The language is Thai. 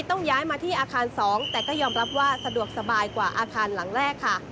ต้องย้ายมาที่อาคาร๒แต่ก็ยอมรับว่าสะดวกสบายกว่าอาคารหลังแรกค่ะ